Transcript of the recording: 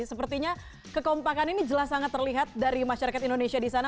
sepertinya kekompakan ini jelas sangat terlihat dari masyarakat indonesia di sana